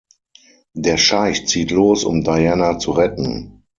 Der Scheich zieht los, um Diana zu retten.